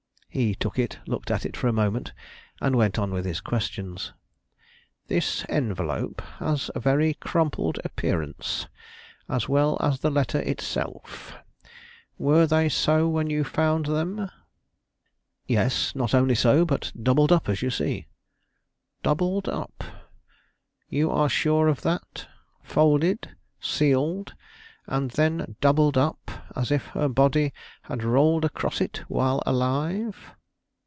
He took it, looked at it for a moment, and went on with his questions. "This envelope has a very crumpled appearance, as well as the letter itself. Were they so when you found them?" "Yes, not only so, but doubled up as you see." "Doubled up? You are sure of that? Folded, sealed, and then doubled up as if her body had rolled across it while alive?"